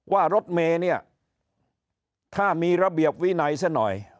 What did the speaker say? ว่ารถเมย์เนี่ยถ้ามีระเบียบวินัยซะหน่อย